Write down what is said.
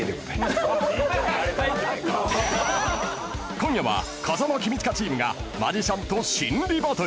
［今夜は風間公親チームがマジシャンと心理バトル］